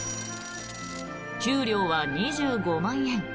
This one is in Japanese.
給料は２５万円。